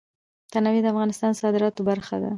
تنوع د افغانستان د صادراتو برخه ده.